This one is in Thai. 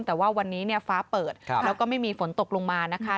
แต่ว่าวันนี้เนี่ยฟ้าเปิดแล้วก็ไม่มีฝนตกลงมานะคะ